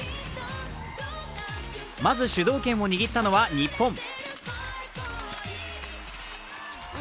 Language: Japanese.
まず主導権を握ったのは日本。